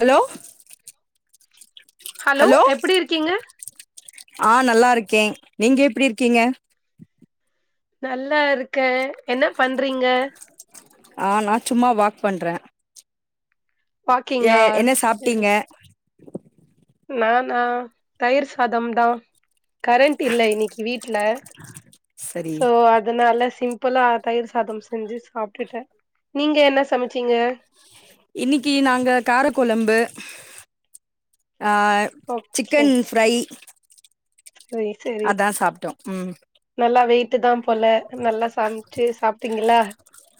Hello hello எப்டிருக்கீங்க ஆ நல்லாருக்கே நீங்க எப்டிருக்கீங்க நல்லாருக்க என்ன பண்றீங்க ஆ நா சும்மா வாக் பண்றே ஏ வாக்கிங்கா? என்ன சரி சாப்ட்டீங்க நானா தயிர் சாதம் தான் கரண்ட் இல்ல இன்னைக்கு வீட்ல சரி சோ அதனால சிம் பல்லா தயிர் சாதம் செஞ்சு சாப்ட்டுட்ட நீங்க என்ன சமைச்சீங்க இன்னைக்கு நாங்க கார குழம்பு ஆ ஓகே சிக்கன் ஃப்ரை சரி சரி அதா சாப்ட்டோ ம் நல்லா வெயி [unintelligible] போல நல்லா சமைச்சு சாப்ட்டீங்களா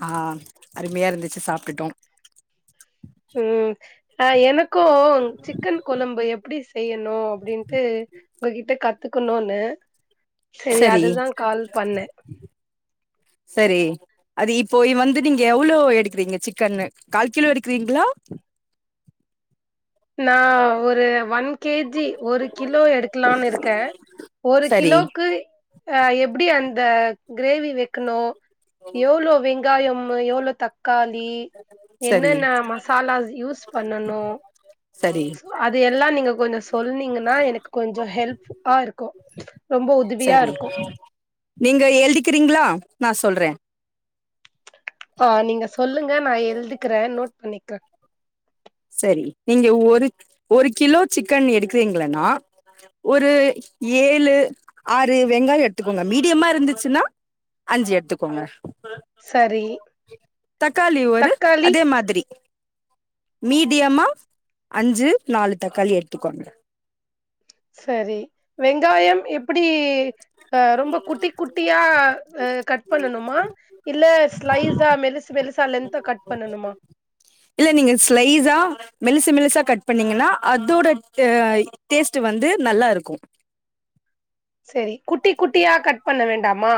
ஆ அருமையா இருந்துச்சு சாப்ட்டுட்டோ ம் ஆ எனக்கு சிக்கன் கொழம்பு எப்டி செய்யணு அப்டின்ட்டு உங்ககிட்ட க த்துக்கணுனு சரி அதுதான் கால் பண்ண சரி அது இப்போ வந்து நீங்க எவ்ளோ எடுக்குறீங்க சிக்கன் கால் கிலோ எடுக்குறீங்ளா நா ஒரு ஒன் கேஜி ஒரு கிலோ எடுக்கலான் இருக்கே ஒரு சரி கிலோக்கு ஆ எப்டி அந்த கிரேவி வைக்கணு எவ்ளோ விங் காய மு எவ்ளோ தக் க்காளி சரி என்னென்ன மசாலா யூஸ் பண்ணனு சரி அது எல்லா நீங்க கொஞ்சொ சொன்னீங்கனா எனக்கு கொஞ்சொ ஹெல்ப்பா இருக்கு ரொம்பொ சரி உதவியாருக்கு நீங்க எழுதிக்கிறீங்களா நா சொல்றே ஆ நீங்க சொல்லுங்க நா எள்திக்குறே நோட் பண்ணிக்ற சரி நீங்க ஒரு ஒரு கிலோ சிக்கன் எடுக்றீங்களனா ஒரு ஏழு ஆறு வெங்காயொ எட்த்துக்கோங்க மீடியமா இருந்துச்சுன்னா அஞ்சு எட்த்துக்கோங்க சரி தக்காளி ஒரு தக்காளி அதே மாதிரி மீடியமா அஞ்சு நாலு தக்காளி எட்த்துக்கோங்க சரி வெங்காயம் எப்டி அஹ் ரொம்ப குட்டி குட்டியா அஹ் கட் பண்ணணுமா இல்ல ஸ்லைஸா மெல்லிசு மெல்லிசு சா லென்தா கட் பண்ணணுமா இல்ல நீங்க ஸ்லைஸா மெல்லிசு மெல்லிசா கட் பண்ணீங்கனா அதோட அஹ் டேஸ்ட்டு வந்து நல்லா இருக்கு செரி குட்டி குட்டியா கட் பண்ண வேண்டாமா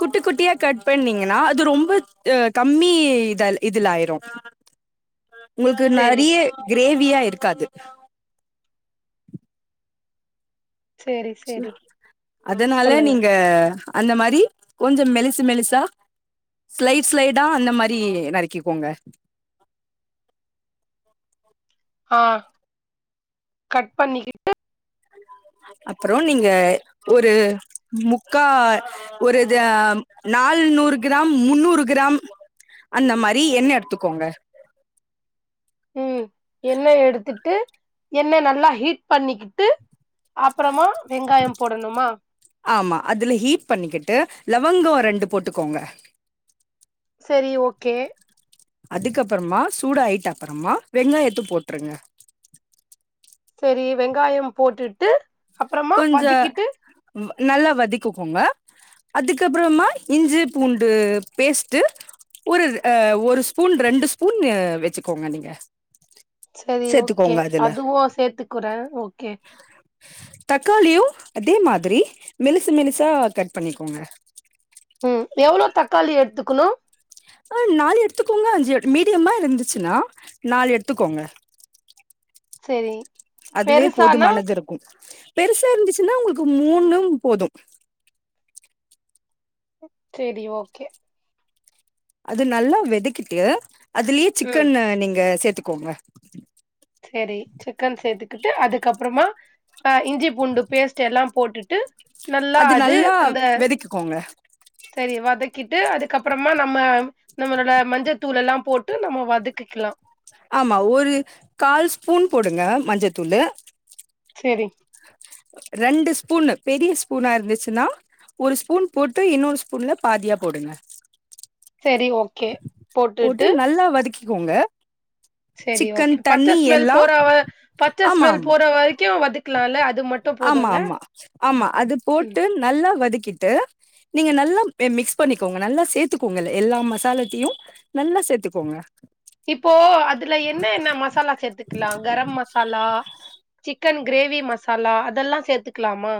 குட்டி குட்டியா கட் பண்ணீங்கனா அது ரொம்ப அஹ் கம்மி இதால் இதுலாயிரு உங்கள்க்கு செரி நறிய க்ரேவ் வியா இருக்காது செரி செரி அதனால சொல்லுங்க நீங்க அந்த மாரி கொஞ்ச மெலிசு மெலிசா ஸ்லைட் ஸ்லைடா அந்த மாரி நறுக்கிக்கோங்க ஆஹ் கட் பண்ணிக்கிட்டு அப்றோ நீங்க ஒரு முக்கா ஒரு தா நால்நூறு க்ராம் முன்னூறு க்ராம் அந்த மாரி எண்ணெ எட்த்துக்கோங்க உம் எண்ணெ எடுத்துட்டு எண்ணெ நல்லா ஹீட் பண்ணிக்கிட்டு அப் ஆமா அதுல ஹீட் பண்ணிக்கிட்டு லவங்க ரெண்டு போட்டுக்கோங்க செரி ஓகே அதுக்கப்பறமா சூடாயிட்ட அப்பறமா வெங்காயத்த போட்ருங்க செரி வெங்காயம் போட்டுட்டு அப்பறமா கொஞ்ச வதக்கிட்டு வ் நல்லா வதிக்குக்கோங்க அதுக்கப்றமா இஞ்சி பூண்டு பேஸ்ட்டு ஒரு அஹ் ஒரு ஸ்பூன் ரெண்டு ஸ்பூன் அஹ் வெச்சுக்கோங்க நீங்க செரி ஓகே சேத்துக்கோங்க அதுல அதுவு சேத்துக்குறே ஓகே தக்காளியு அதே மாதிரி மெலிசு மெலிசா கட் பண்ணிக்கோங்க உம் எவ்ளோ தக்காளி எட்த்துக்குணு ஆஹ் நாலு எட்த்துக்கோங்க அஞ்சு மீடியமா இருந்துச்சுனா நாலு எட்த்துக்கோங்க செரி அதுவே பெருசானா போதுமானது இருக்கு பெருசா இருந்துச்சுனா உங்கள்க்கு மூணும் போது செரி ஓகே அது நல்லா வெதக்கிட்டு அதுலே ம் சிக்கன் அஹ் நீங்க சேத்துக் கோங்க சேரி சிக்கன் சேத்துக் கிட்டு அதுக்கப்றமா அஹ் இஞ்சி பூண்டு பேஸ்ட் எல்லா போட்டுட்டு நல்லா அது அந்த செரி வதக்கிட் ட்டு அதுக்கப்றமா நம்ம நம்மளோட மஞ்சத்தூளெல்லா போட்டு நம்ம வதக்கிக்கலா ஆமா ஒரு கால் ஸ்பூன் போடுங்க மஞ்சத்தூள்ளு செரி ரெண்டு ஸ்பூன்னு பெரிய ஸ்பூனா இருந்துச்சுனா ஒரு ஸ்பூன் போட்டு இன்னொரு ஸ்பூன்ல பாதியா போடுங்க சேரி ஓகே போட்டுட்டு க்கோங்க செரி ஓகே பச்ச ஸ்மெல் எல்லா போற பச்ச ஆமா ஸ்மெல் ஆமா போற வரைக்கு வதக் க்கலால ஆமா ஆமா ஆமா அது ம் போட்டு நல்லா வதக் கிட்டு நீங்க நல்லா மிக்ஸ் பண்ணிக்கோங்க நல்லா சேத்துக்கோங்க எல்லா மசாலத்தயு நல்லா சேத்துக்கோங்க இப்போ அதுல என்னெ என்னெ மசாலா சேத்துக்கலா கரம் மசாலா சிக்கன் கிரேவி மசாலா அதெல்லா சேத்துக்கலாமா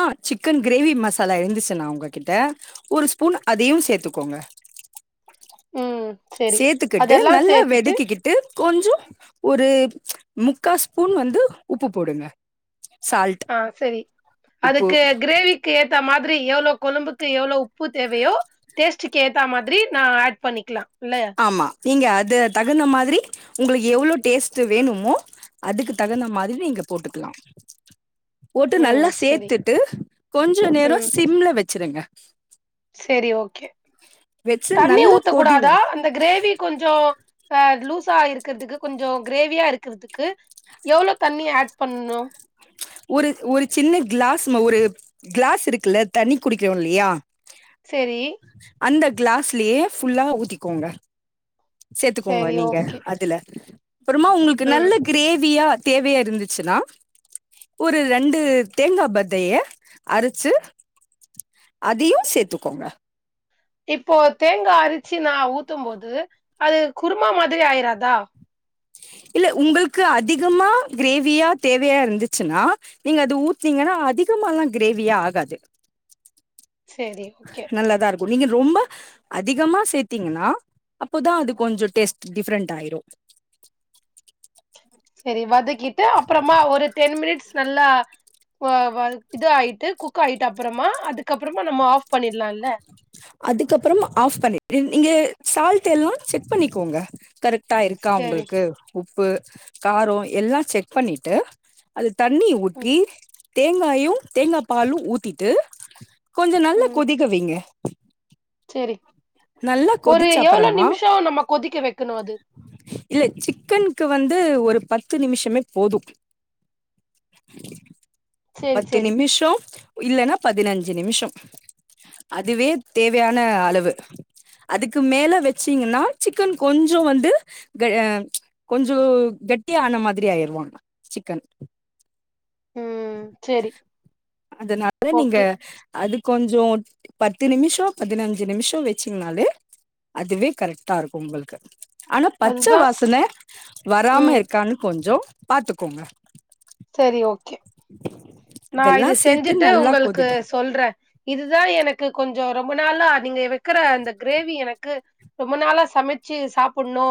ஆஹ் சிக்கன் கிரேவி மசாலா இருந்துச்சுன்னா உங்ககிட்ட ஒரு ஸ்பூன் அதியு சேத்துக்கோங்க ம் செரி சேத்துக்கிட்டு அதெல்லா நல்லா சேத்துட்டு வெதக்கிக்கிட்டு கொஞ்சோ ஒரு முக்கா ஸ்பூன் வந்து உப்பு போடுங்க சால்ட் ஆஹ் செரி உப்பு அதுக்கு கிரேவிக்கு ஏத்த மார் ரி எவ்ளோ கொழம்புக்கு எவ்ளோ உப் பு தேவையோ டேஸ் ட்டுக்கு ஏத்தா மாதுரி நா ஆட் பண்ணிக்கலா இல்ல ஆமா நீங்க அது தகுந்த மாதுரி உங்களுக் எவ்ளோ டேஸ்ட்டு வேணுமோ அதுக்கு தகுந்த மாதுரி நீங்க போட்டுக்கலா போட்டு ம் நல்லா செரி சேத்துட்டு கொஞ்ஜோ நேரோ ம் சிம்ல வச் ச்சிருங்க செரி ஓகே தண்ணி நல்லா கொதி ஊத்தக்கூடாதா வரு அந்த கிரேவி கொஞ்ஜோ ஆஹ் லூசா இருக்குறதுக்கு கொஞ்ஜோ கிரேவியா இருக்றதுக்கு எவ்ளோ தண்ணி ஆட் பண்னு ஒரு ஒரு சின்னெ க்ளாஸ் மா ஒரு க்ளாஸ் இருக்குல்ல தண்ணி குடிக்றோ இல்லையா செரி அந்த க்ளாஸ்லயே ஃபுல்லா ஊத்திக்கோங்க சேத்துக்கோங்க செரி நீங்க ஓகே அதுல அப்றமா உங்ளுக்கு ம் நல்ல கிரேவியா தேவையா இருந்துச்சுன்னா ஒரு ரெண்டு தேங்கா பத்தைய அரச்சு அதையு சேத்துக்கோங்க இப்போ தேங்கா அரிச்சு நா ஊத்தும் போது அது குருமா மாதிரி ஆயிராதா இல்ல உங்களுக்கு அதிகமா கிரேவியா தேவையா இருந்துச்சுன்னா நீங்க அது ஊத்னீங்கனா அதிகமால்லா கிரேவியா ஆகாது சரி ஓகே நல்லாதா இருக்கு நீங்க ரொம்ப அதிகமா சேத்தீங்கன்னா அப்போதா அது கொஞ்சோ டேஸ்ட் டிஃப்ரண்ட் ஆயிரு சரி வதக் கிட்டு அப்புறமா ஒரு டென் மினிட்ஸ் ந நல்லா வ வ இது ஆயிட்டு குக் ஆய்ட்டு அப்புறமா அதுக்கப்புறமா நம்ம ஆஃப் பண்ணிட்லால்ல அதுக்கப்புறம் ஆஃப் பண்ணிட்டு நீங்க சால்ட் எல்லா செக் பண்ணிக்கோங்க கரெக் டா இருக்கா சரி. உங்களுக்கு உப்பு காரோ எல்லா செக் பண்ணிட்டு அது தண்ணி ம் ஊத்தி தேங்காயும் தேங்கா பாலு ஊத்திட்டு கொஞ்ச நல்லா ம் கொதிக்க வைங்க சரி நல்லா ஒரு எவ்ளோ கொதிச்சப்பறமா நிமிஷம் நம்ம கொதிக்க வைக்கணும் அது? இல்ல சிக்கன்க்கு வந் து ஒரு பத்து நிமிஷமே போதும் சரி பத்து சரி. நிமிஷம் இல்லனா பதினஞ் அஞ்சு நிமிஷம் அதுவே தேவையான அளவு அதுக்கு மேல வச்சீங்கன்னா சிக்கன் கொஞ்சோ வந்து க அ கொஞ்சோ கெட்டியான மாதிரி ஆயிருவான் சிக்கன் ம் சரி அதனால நீங்க ஓகே. அதுக் கொஞ்சோ பத்து நிமிஷோ பதினஞ்சு நிமிஷோ வச்சிங்னாலே அதுவே கரெட்டாருக்கும் உங்களுக்கு ஆனா பச்ச அதுதான் வாசன வராம ம் இருக்கான்னு கொஞ்சோ பாத்துக்கோங்க சரி ஓகே நா இதெல்லா இது சேத்து செஞ்சுட்டு நல்லா உங்களுக்கு கொதிடு சொல்றே இதுதா எனக்கு கொ கொஞ்சோ ரொம்ப நாளா நீங்க வக்கிற அந்த கிரேவி எனக்கு ரொம்ப நாளா சமச்சு சாப்புட்ணு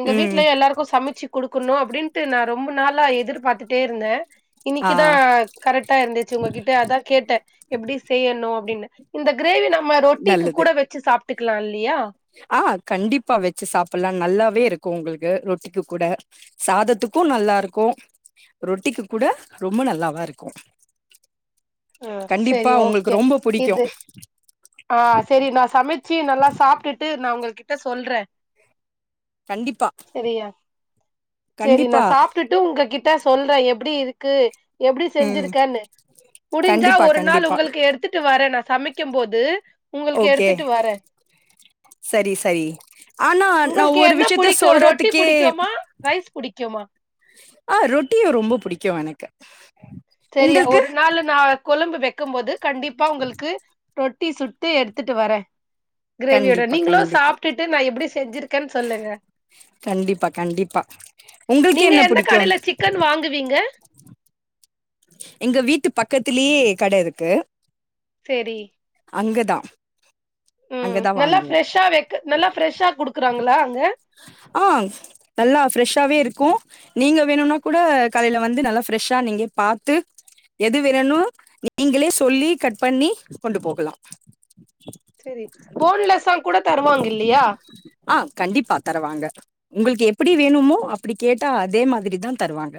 எங்க ம் வீட்லய எல்லாருக்கும் சமைச்சு குடுக் க்கணும் அப்டின்ட்டு நா ரொம்ப நாளா எதிர்பாத்துட்டே இருந்தே ஆ இன்னக்கிதா கரக்டா இருந்துச்சு உங்ககிட்ட அதா கேட்டே எப்டி செய்யணு அப்டின்னு இந்த கிரேவி நம்ம ரொட்டிக்கு கூட வச்சு சாப் டுக்ளா இல்லியா ஆஹ் கண்டிப்பா வச்சு சாப்புலா நல்லாவே இரு க்கு உங்களுக்கு ரொட்டிக்கு கூட சாதத்துக்கும் நல்லாருக்கு ரொட்டிக்கு கூட ரொம்ம நல்லாவா இருக்கு கண்டிப்பா உங்களுக்கு ரொம்ப புடிக்கு ஆஹ் செரி நான் சமச்சு நல்லா சாப்ட்டுட்டு நா உங்கள் கிட்ட சொல்றே கண்டிப்பா செரியா சேரி கண்டிப்பா நான் சாப்ட்டுட்டு உங்ககிட் ட்டா சொல்ற எப்டி இருக்கு எப்டி ம் செஞ்சிருக்கன்னு முடிஞ்சா கண்டிப்பா ஒரு நாள் கண்டிப்பா உங்களுக்கு எடுத்துட்டு வர்ர நா சமைக்கும்போ து ஓகே சரி சரி ஆனா நா உங்களுக்கு ஒரு என்ன விஷ்யத்த புடிக்கு ரொட்டி சொல்றதுக்கே புடிக்குமா ரைஸ் புடிக்குமா ஆஹ் ரொட்டியு ரொம்ப புடிக்கு எனக்கு செரியா உங்களுக்கு ஒரு நாளு நா கொழம்பு வெக்கும்போது கண்டிப்பா உங்கள்க்கு ரொட்டி சுட்டு எடுத்துட்டு வரே கிரேவியோட கண்டிப்பா நீங்களு கண்டிப்பா சாப்ட்டுட்டு நா எப்புடி செஞ்சிருக்கனு சொல்லுங்க கண்டிப்பா கண்டிப்பா உங்களுக்கு நீங்க என்ன எந்த புடிக்கு கடைல சிக்கன் வாங்குவீங்க எங்க வீட்டு பக்கத்திலயே கட இருக்கு சேரி அங்கதா உம் அங்கதா நல்லா வாங்குவோ ஃபிரஷ்ஷா வெக்க நல்லா ஃபிரஷ்ஷா குடுக்கறாங்ளா அங்க கு நீங்க வேணுனா கூட காலைல வந்து நல்லா ஃபிரெஷ்ஷா நீங்க பாத்து எது வேணுனு நீங்களே சொல்லி கட் பண்ணி கொண்டு போகுலா சேரி போன்லெஸ்ஸா கூட தருவாங்கில்லியா உங்கள்க்கு எப்புடி வேணுமோ அப்படி கேட்டா அதே மாதிரிதா தருவாங்க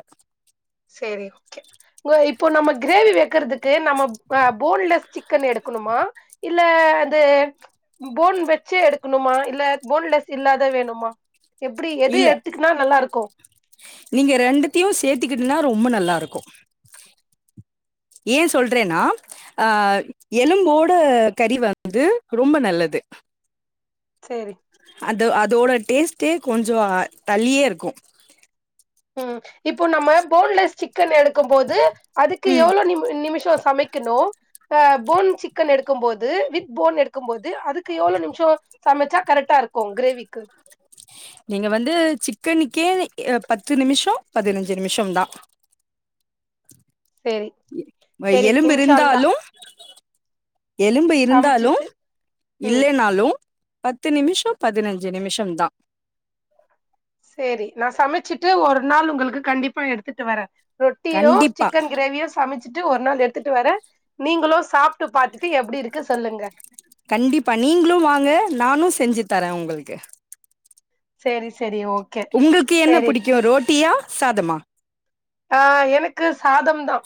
சேரி ஓகே உங் இப்போ நம்ம கிரேவி வெக்கறதுக் கு நம்மோ ப போன்லெஸ் சிக் கன் எடுக்குணுமா இல்ல அது போன் வெச்சு எடுக்கணுமா இல்ல போன்லெஸ் இல்லாத வேணுமா எப்டி எது இல்ல எடுத்துக்குன்னா நல்லா இருக்கு நீங்க ரெண்டத்தியு சேத்துக்கிட்ன்னா ரொம்ப நல்லாருக்கு ஏ சொல்றேனா அஹ் எலும்போட கறி வந்து ரொம்ப நல்லது சேரி அது அதோட டேஸ்டே கொஞ்சோ தள்ளியே இருக்கு உம் இப்போ நம்ம போன்லெஸ் சிக் கன் எடுக்கும்போது அதுக்கு எவ்ளோ நிமி நிமிஷோ சமைக்கணு ப்ப போன் சிக்கன் எடு க்கும்போது வித் போன் எடுக்கும்போ து அதுக்கு எவ்ளோ நிமிஷோ சமைச்சா கரெக்டா இருக்கு கிரேவிக்கு நீங்க வந்து சிக்கனுக்கே பத்து நிமிஷோ பதினஞ்சு நிமிஷம்தா சேரி சேரி எலும்பு இன்ஷா அல்லா இருந்தாலு எலும்பு இருந்தாலு சமைச்சிட்டு ம் இல்லைனாலு பத்து நிமிஷோ பதினஞ்சு நிமிஷம்தா சரி நா சமைச்சிட்டு ஒரு நாள் உங்களுக்கு கண்டிப்பா எடுத்துட்டு வர்ர ரொட்டியோ கண்டிப்பா சிக்கன் கிரேவியோ சமைச்சிட்டு ஒரு நாள் எடுத்துட்டு வர்ர நீங்களோ சாப்பிட்டு பாத்துட்டு எப்படி இருக்கு சொல்லுங்க கண்டிப்பா நீங்களு வாங்க நானு செஞ்சு தரே உங்களுக்கு செரி ச உங்களுக்கு என்ன புடிக்கு ரோட்டியா சாதமா ஆஹ் எனக்கு சாதம்தா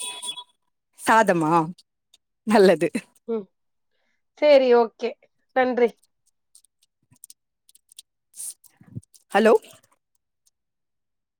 சாதமா நல்லது உம் செரி ஓகே நன்றி ஹலோ